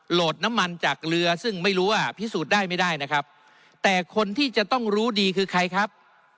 โหลดน้ำมันจากเรือซึ่งไม่รู้ว่าพิสูจน์ได้ไม่ได้นะครับแต่คนที่จะต้องรู้ดีคือใครครับ